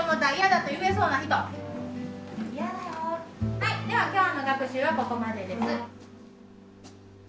はいでは今日の学習はここまでです。